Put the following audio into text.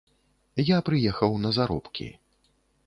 Я прыехаў на заробкі.